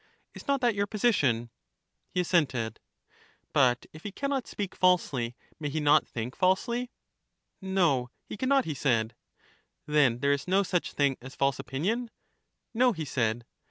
Is not that your position? He assented. But if he can not speak falsely, may he not think falsely? No, he can not, he said. Then there is no such thing as false opinion? No, he said.